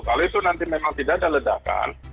kalau itu nanti memang tidak ada ledakan